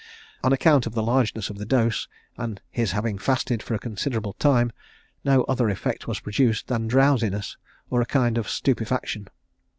On account of the largeness of the dose, and his having fasted for a considerable time, no other effect was produced than drowsiness, or a kind of stupefaction.